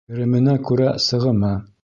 Кеременә күрә сығымы.